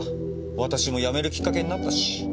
私も辞めるきっかけになったし。